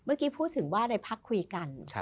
เมื่อกี้พูดถึงว่าในพักคุยกัน